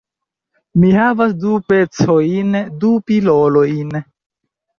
Mi havas du pecojn. Du pilolojn.